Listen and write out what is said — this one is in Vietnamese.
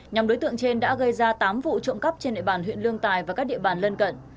nhóm đối tượng trên đã gây ra tám vụ trộm cắp trên nệ bàn huyện lương tài và các địa bàn lân cận